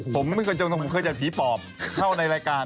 ผมไม่เคยเจอผมเคยเจอผีปอบเข้าในรายการ